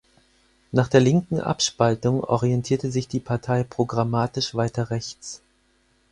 Nach der linken Abspaltung orientierte sich die Partei programmatisch weiter rechts.